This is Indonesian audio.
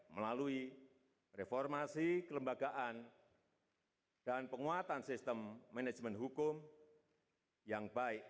melalui reformasi kelembagaan dan penguatan sistem manajemen hukum yang baik